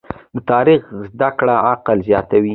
د تاریخ زده کړه عقل زیاتوي.